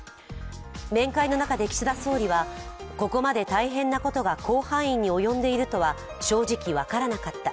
面会の中で、岸田総理はここまで大変なことが広範囲に及んでいるとは正直分からなかった。